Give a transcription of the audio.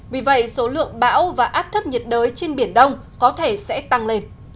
vì vậy số lượng bão và áp thấp nhiệt đới trên biển đông có thể sẽ tăng lên